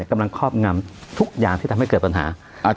กำลังครอบงำทุกอย่างที่ทำให้เกิดปัญหา